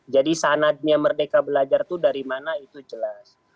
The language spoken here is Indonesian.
jadi sanadnya merdeka belajar itu dari mana itu jelas